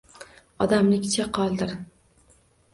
Odamlikcha qoldir.